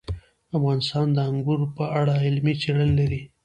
افغانستان د انګور په اړه علمي څېړنې لري.